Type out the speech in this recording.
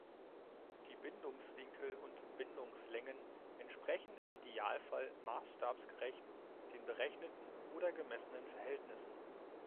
Die Bindungswinkel und Bindungslängen entsprechen im Idealfall maßstabsgerecht den berechneten oder gemessenen Verhältnissen.